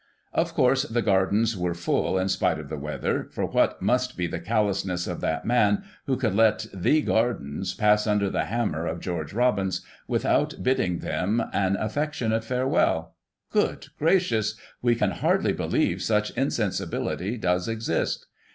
" Of course, the gardens were full, in spite of the weather ; for what must be the callousness of that man who could let the Gardens pass under the hammer of George Robins, with out bidding them an affectionate farewell? Good gracious! we can hardly believe such insensibility does exist.